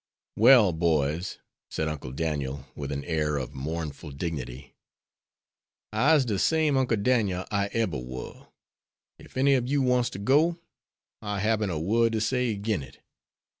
"Well, boys," said Uncle Daniel, with an air of mournful dignity, "I'se de same Uncle Dan'el I eber war. Ef any ob you wants to go, I habben't a word to say agin it.